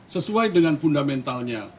sesuai dengan fundamentalnya